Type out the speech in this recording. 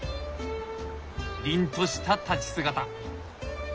りんとした立ち姿！